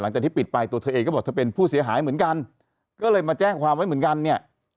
หลังจากที่ปิดไปตัวเธอเองก็บอกเธอเป็นผู้เสียหายเหมือนกันก็เลยมาแจ้งความไว้เหมือนกันเนี่ย